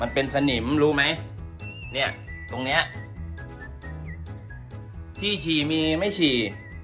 สนิมรู้ไหมเนี่ยตรงเนี้ยที่ฉี่มีไม่ฉี่